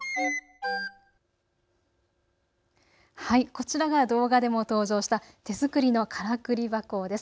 こちらが動画でも登場した手作りのからくり箱です。